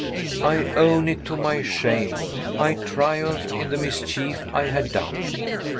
I own it, to my shame. I triumphed in the mischief I had done.